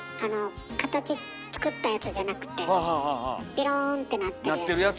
形作ったやつじゃなくてピローンってなってるやつ。